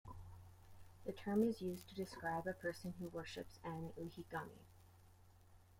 The term is used to describe a person who worships an ujigami.